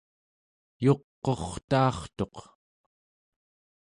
yuq'urtaartuq